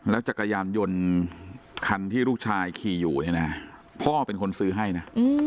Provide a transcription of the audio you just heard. จักรยานยนต์คันที่ลูกชายขี่อยู่เนี่ยนะพ่อเป็นคนซื้อให้นะ